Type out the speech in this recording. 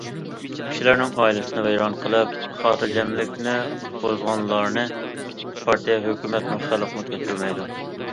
كىشىلەرنىڭ ئائىلىسىنى ۋەيران قىلىپ خاتىرجەملىكىنى بۇزغانلارنى پارتىيە، ھۆكۈمەتمۇ، خەلقمۇ كەچۈرمەيدۇ.